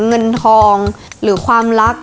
เงินทองหรือความรัก